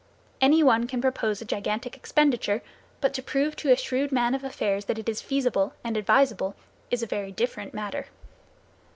Any one can propose a gigantic expenditure, but to prove to a shrewd man of affairs that it is feasible and advisable is a very different matter.